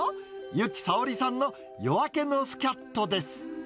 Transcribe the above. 由紀さおりさんの夜明けのスキャットです。